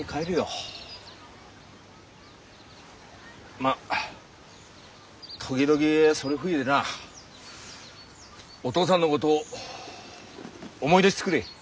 まあ時々それ吹いでなお父さんのことを思い出してくれぃ！